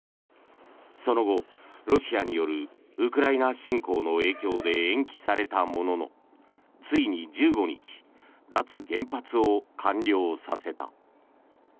その後、ロシアによるウクライナ侵攻の影響で延期されたもののついに１５日脱原発を完了させた。